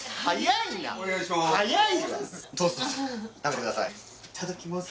いただきます。